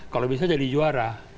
kalau bisa jadi juara